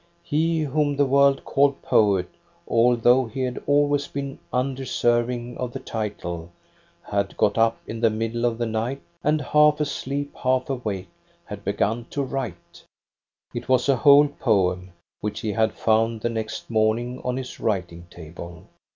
He, whom the world called " poet, although he had always been undeserv ing of the title, had got up in the middle of the night, and, half asleep, half awake, had begun to write. It was a whole poem, which he had found the next morning on his writing table.